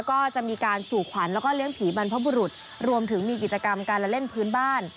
ก็จะมีการสู่ขวัญแล้วก็เลี้ยงผีบรรพบุรุษรวมถึงมีกิจกรรมการละเล่นพื้นบ้าน